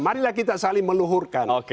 marilah kita saling meluhurkan